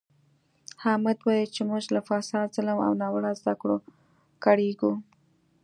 حامد وایي چې موږ له فساد، ظلم او ناوړه زده کړو کړېږو.